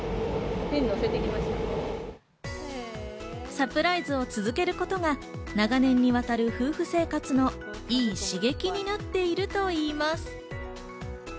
サプライズを続けることが長年にわたる夫婦生活のいい刺激になっているといいます。